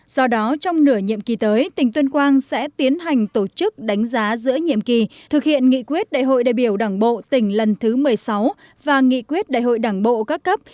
do đó trong nửa nhiệm kỳ tới tỉnh tuyên quang sẽ tiến hành tổ chức đánh giá giữa nhiệm kỳ thực hiện nghị quyết đại hội đại biểu đảng bộ tỉnh lần thứ một mươi sáu và nghị quyết đại hội đảng bộ các cấp